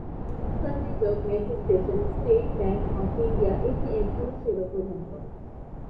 চাঁদনী Chowk metro স্টেশনে state bank of India ATM পরিষেবা প্রদান করে।